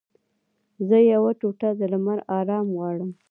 زه یوه ټوټه د لمر غواړم